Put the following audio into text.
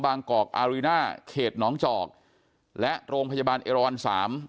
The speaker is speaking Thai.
กอกอารีน่าเขตน้องจอกและโรงพยาบาลเอรอนสาม